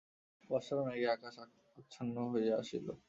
বর্ষার মেঘে আকাশ আচ্ছন্ন হইয়া আসিল।